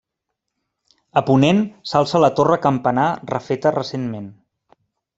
A ponent s'alça la torre campanar refeta recentment.